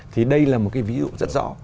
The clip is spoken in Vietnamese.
thì đây là một ví dụ rất rõ